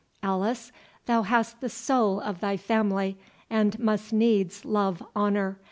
—Alice, thou hast the soul of thy family, and must needs love honour.